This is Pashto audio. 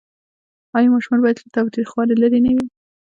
آیا ماشومان باید له تاوتریخوالي لرې نه وي؟